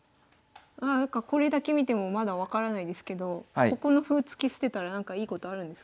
これだけ見てもまだ分からないですけどここの歩を突き捨てたらなんかいいことあるんですか？